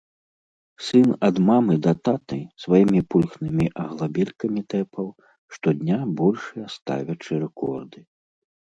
Сын ад мамы да таты сваімі пульхнымі аглабелькамі тэпаў, штодня большыя ставячы рэкорды.